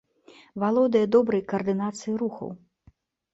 Валодае добрай каардынацыяй рухаў.